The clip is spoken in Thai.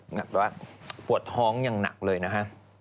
อยากจะบอกว่าปวดท้องอย่างหนักเลยนะคะ